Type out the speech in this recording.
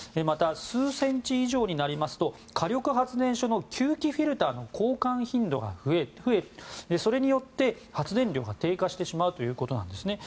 また、数センチ以上になりますと火力発電所の吸気フィルターの交換頻度が増えてそれによって発電量が低下してしまうということです。